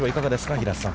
平瀬さん。